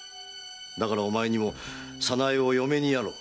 だからお前にも早苗を嫁にやろう。